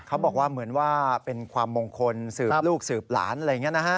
เขาบอกว่าเหมือนว่าเป็นความมงคลสืบลูกสืบหลานอะไรอย่างนี้นะฮะ